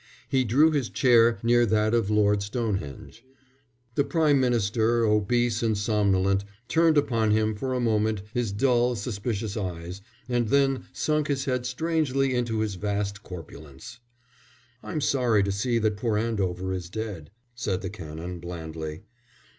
He drew his chair near that of Lord Stonehenge. The Prime Minister, obese and somnolent, turned upon him for a moment his dull, suspicious eyes, and then sunk his head strangely into his vast corpulence. "I'm sorry to see that poor Andover is dead," said the Canon, blandly.